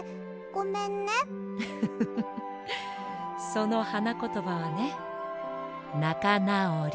そのはなことばはね「なかなおり」。